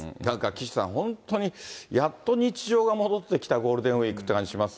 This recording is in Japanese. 岸さん、本当にやっと日常が戻ってきたゴールデンウィークって感じします